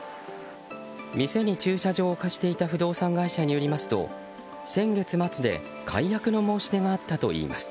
店に駐車場を貸していた不動産会社によりますと先月末で解約の申し出があったといいます。